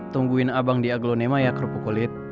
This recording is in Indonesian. tungguin abang di aglonema ya kerupuk kulit